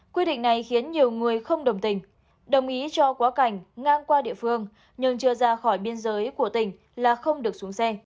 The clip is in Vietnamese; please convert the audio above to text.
quy định này khiến nhiều người không đồng tình đồng ý cho quá cảnh ngang qua địa phương nhưng chưa ra khỏi biên giới của tỉnh là không được xuống xe